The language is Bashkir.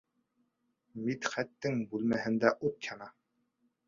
Мидхәттең бүмәһендә ут яна.